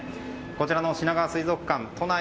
こちらのしながわ水族館都内